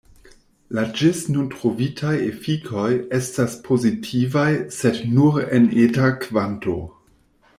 La ĝis nun trovitaj efikoj estas pozitivaj, sed nur en eta kvanto.